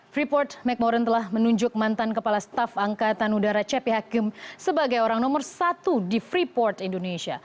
freeport mcmoran telah menunjuk mantan kepala staf angkatan udara cepi hakim sebagai orang nomor satu di freeport indonesia